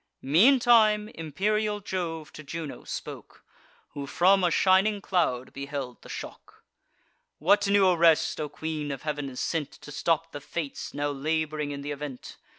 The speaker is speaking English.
Meantime imperial Jove to Juno spoke, Who from a shining cloud beheld the shock: "What new arrest, O Queen of Heav'n, is sent To stop the Fates now lab'ring in th' event?